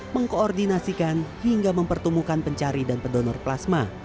mengkoordinasikan hingga mempertemukan pencari dan pendonor plasma